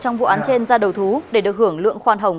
trong vụ án trên ra đầu thú để được hưởng lượng khoan hồng